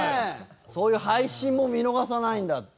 そういう配信も見逃さないんだって。